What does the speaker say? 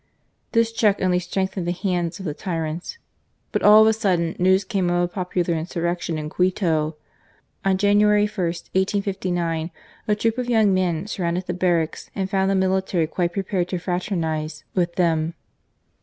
This check only strengthened the hands of the tyrants ; but all of a sudden, news came of a popular insurrection in Quito. On January i, 1859, ^ troop of young men surrounded the barracks and found the military quite prepared to fraternize with them.